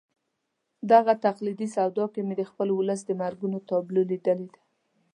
دغه تقلیدي سودا کې مې د خپل ولس د مرګونو تابلو لیدلې ده.